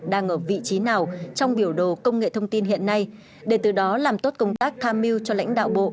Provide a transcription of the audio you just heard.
đang ở vị trí nào trong biểu đồ công nghệ thông tin hiện nay để từ đó làm tốt công tác tham mưu cho lãnh đạo bộ